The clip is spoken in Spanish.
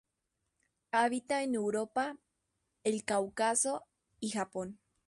Habita en Europa, el Cáucaso y Japón.